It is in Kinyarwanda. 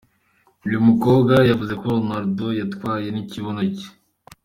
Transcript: Uyu mukobwa yavuze ko Ronaldo yatwawe n'ikibuno cye.